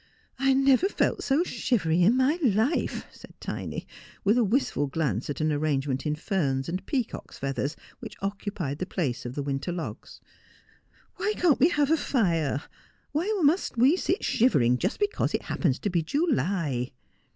' I never felt so shivery in my life,' said Tiny, with a wistful glance at an arrangement in ferns and peacocks' feathers which occupied the place of the winter logs. ' Why can't we have a lire ? Why must we sit shivering just because it happens to be July?'